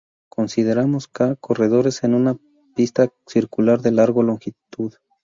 Consideremos "k" corredores en una pista circular de largo unidad.